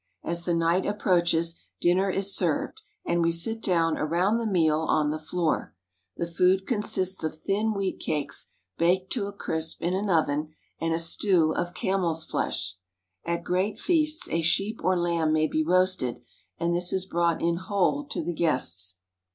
As the night approaches, dinner is served, and we sit down around the meal on the floor. The food consists of thin wheat cakes baked to a crisp in an oven, and a stew of camel's flesh. Vt great feasts a sheep or lamb may be roasted, and this is brought in whole to the guests.